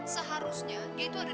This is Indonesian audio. seharusnya dia itu ada di sini menangis